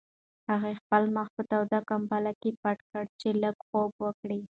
هغې خپل مخ په توده کمپله کې پټ کړ چې لږ خوب وکړي.